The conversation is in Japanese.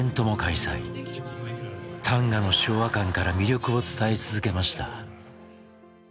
旦過の昭和館から魅力を伝え続けました。